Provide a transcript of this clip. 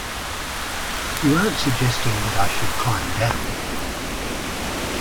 You aren't suggesting that I should climb down?